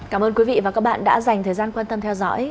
cảm ơn quý vị và các bạn đã dành thời gian quan tâm theo dõi